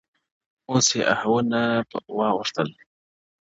o اوس يــې آهـونـــه په واوښتـل؛